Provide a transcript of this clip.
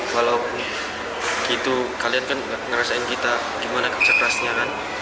walaupun gitu kalian kan ngerasain kita gimana kerja kerasnya kan